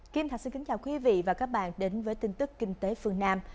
kim thạch xin kính chào quý vị và các bạn đến với tin tức kinh tế phương nam